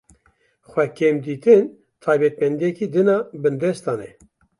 Xwekêmdîtin, taybetmendiyeke din a bindestan e.